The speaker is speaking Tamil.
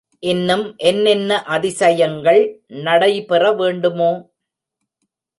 இன்னும் என்னென்ன அதிசயங்கள் நடைபெற வேண்டுமோ?